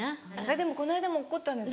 でもこの間も落っこったんです。